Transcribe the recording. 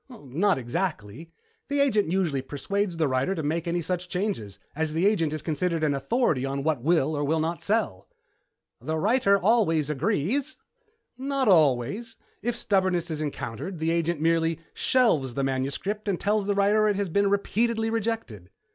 "Not exactly. The agent usually persuades the writer to make any such changes, as the agent is considered an authority on what will or will not sell." "The writers always agree?" "Not always. If stubbornness is encountered, the agent merely shelves the manuscript and tells the writer it has been repeatedly rejected."